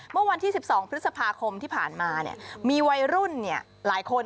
เมื่อวันที่๑๒พฤษภาคมที่ผ่านมามีวัยรุ่นหลายคน